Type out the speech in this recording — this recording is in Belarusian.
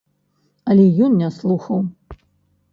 Але ён не слухаў.